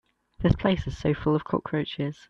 The place is so full of cockroaches.